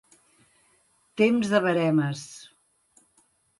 Temps de veremes.